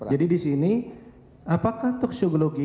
jadi disini apakah toksikologi